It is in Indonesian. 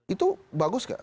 itu bagus gak